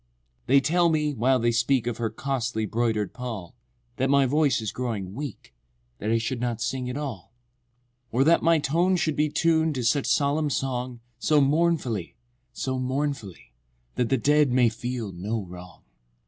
IV. They tell me (while they speak Of her "costly broider'd pall") That my voice is growing weak— That I should not sing at all— V. Or that my tone should be Tun'd to such solemn song So mournfully—so mournfully, That the dead may feel no wrong.